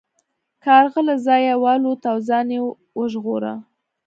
کارغه له ځایه والوت او ځان یې وژغوره.